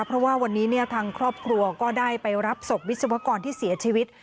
เพราะว่าวันนี้ทางครอบครัวก็ได้ไปรับศพวิศวกรที่เสียชีวิต